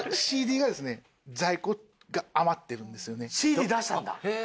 ＣＤ出したんだ？